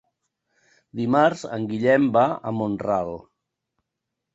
Dimarts en Guillem va a Mont-ral.